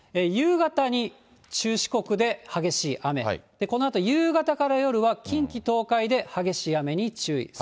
夕方に中四国で激しい雨、このあと、夕方から夜は近畿、東海で激しい雨に注意。